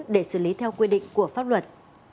để xử lý theo quy định của pháp luật